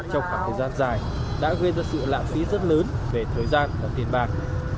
trong khoảng thời gian dài đã gây ra sự lãng phí rất lớn về thời gian và tiền bạc